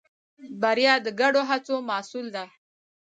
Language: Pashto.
بریا د ګډو هڅو محصول ده.